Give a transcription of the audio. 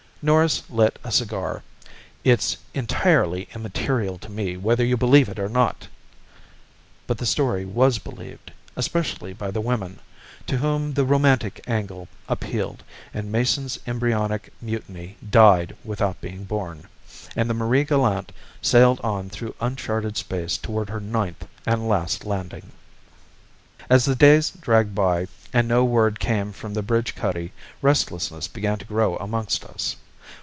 Norris lit a cigar. "It's entirely immaterial to me whether you believe it or not." But the story was believed, especially by the women, to whom the romantic angle appealed and Mason's embryonic mutiny died without being born, and the Marie Galante sailed on through uncharted space toward her ninth and last landing. As the days dragged by and no word came from the bridge cuddy, restlessness began to grow amongst us.